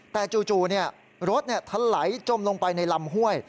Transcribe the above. แต่จู่รถทะไหลจมลงไปในลำห้วย